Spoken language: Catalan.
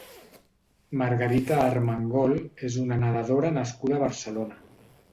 Margarita Armengol és una nedadora nascuda a Barcelona.